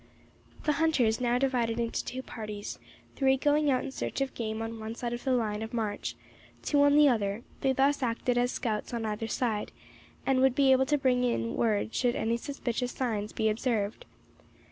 The hunters now divided into two parties, three going out in search of game on one side of the line of march, two on the other; they thus acted as scouts on either side, and would be able to bring in word should any suspicious signs be observed.